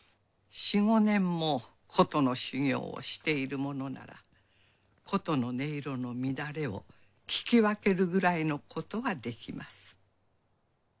４５年も琴の修業をしている者なら琴の音色の乱れを聞き分けるくらいのことはできます。